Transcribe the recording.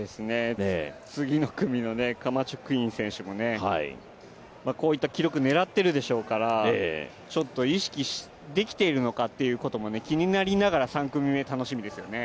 次の組のカマチョ・クイン選手も、こういった記録狙ってるでしょうから意識できているかどうかも気になりながら３組目、楽しみですよね。